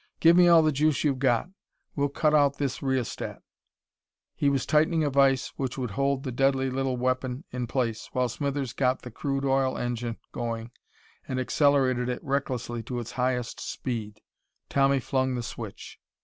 "Give me all the juice you've got. We'll cut out this rheostat." He was tightening a vise which would hold the deadly little weapon in place while Smithers got the crude oil engine going and accelerated it recklessly to its highest speed. Tommy flung the switch.